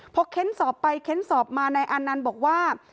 พอเข็นสอบไปเข็นสอบมาในอันนั้นบอกว่า